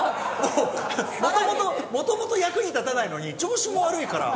元々役に立たないのに調子も悪いから。